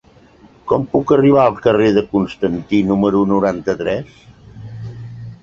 Com puc arribar al carrer de Constantí número noranta-tres?